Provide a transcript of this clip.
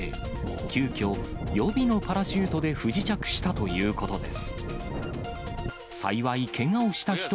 急きょ、予備のパラシュートで不時着したということです。